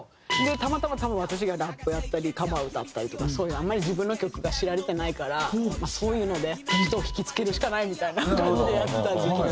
たまたま多分私がラップやったりカバー歌ったりとかそういうあんまり自分の曲が知られてないからそういうので人を引きつけるしかないみたいな感じでやってた時期で。